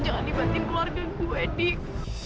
jangan libatin keluarga gue dik